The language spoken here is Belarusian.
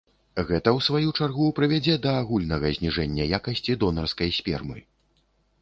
Гэта ў сваю чаргу прывядзе да агульнага зніжэння якасці донарскай спермы.